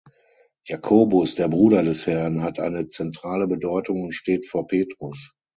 Jakobus, der Bruder des Herrn hat eine zentrale Bedeutung und steht vor Petrus.